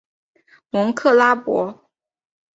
蒙克拉博。